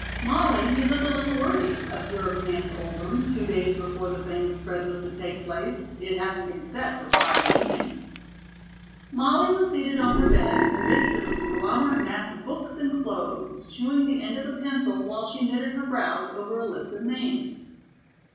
"Molly, you look a little worried," observed Nance Oldham, two days before the famous spread was to take place, it having been set for Friday evening. Molly was seated on her bed, in the midst of a conglomerate mass of books and clothes, chewing the end of a pencil while she knitted her brows over a list of names.